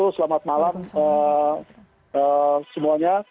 selamat malam semuanya